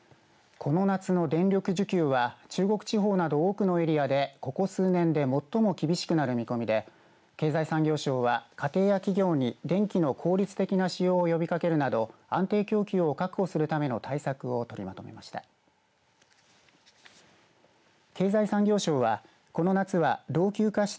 この夏の電力需給は中国地方など多くのエリアでここ数年で最も厳しくなる見込みで経済産業省は家庭や企業に電気の効率的な使用を呼びかけるなど安定供給を確保するための対策を取りまとめました。